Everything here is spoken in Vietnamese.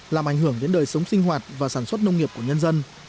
làm ảnh hưởng đến đời sống sinh hoạt và sản xuất nông nghiệp của nhân dân